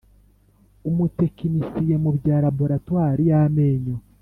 Umutekinisiye mu bya Laboratwari y amenyo